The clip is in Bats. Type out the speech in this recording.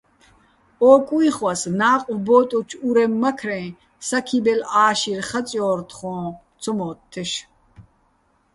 ო კუჲხვას ნა́ყვ ბო́ტუჩო̆ ურემმაქრე́ჼ საქიბელ ა́შირ ხაწჲო́რ თხო́ჼ ცომო́თთეშ.